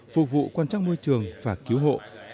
phục vụ quan trắc môi trường và cứu hộ